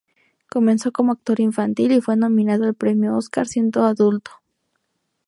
Comenzó como actor infantil y fue nominado al premio Óscar siendo adulto.